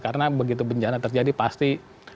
karena begitu benjana terjadi pasti